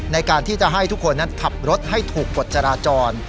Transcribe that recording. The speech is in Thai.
ในการที่จะให้ทุกคนนั้นขับรถให้ถูกกฎจราจร